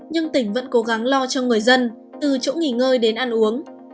nhưng tỉnh vẫn cố gắng lo cho người dân từ chỗ nghỉ ngơi đến ăn uống